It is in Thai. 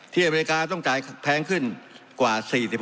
อเมริกาต้องจ่ายแพงขึ้นกว่า๔๖